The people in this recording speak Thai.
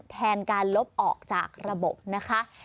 แทนการลบออกจากระบบนะคะ